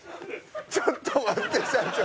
ちょっと待って社長。